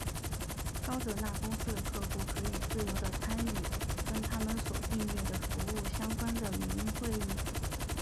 高德纳公司的客户可以自由的参与跟它们所订阅的服务相关的语音会议。